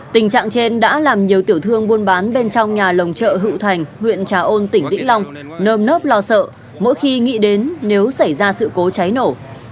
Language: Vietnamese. tình trạng trên đã làm nhiều tiểu thương buôn bán bên trong nhà lồng chợ hữu thành huyện trà ôn tỉnh vĩnh long nơm nớp lo sợ mỗi khi nghĩ đến nếu xảy ra sự cố cháy nổ